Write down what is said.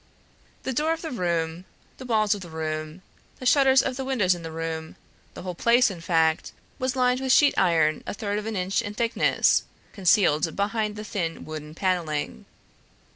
The door of the room, the walls of the room, the shutters of the windows in the room, the whole place, in fact, was lined with sheet iron a third of an inch in thickness, concealed behind the thin wooden paneling.